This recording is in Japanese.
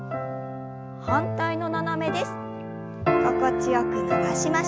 反対の斜めです。